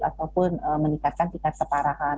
ataupun meningkatkan tingkat keparahan